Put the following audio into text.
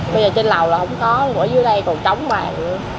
bây giờ trên lầu là không có ở dưới đây còn trống bàn nữa